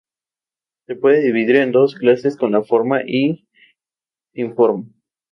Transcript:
Se puede dividir en dos clases, con la forma y sin forma.